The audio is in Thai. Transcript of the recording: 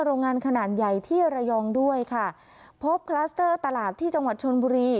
โรงงานขนาดใหญ่ที่ระยองด้วยค่ะพบคลัสเตอร์ตลาดที่จังหวัดชนบุรี